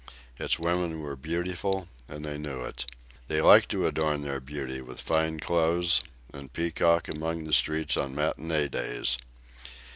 Its women were beautiful, and they knew it. They liked to adorn their beauty with fine clothes and peacock along the streets on matinee days.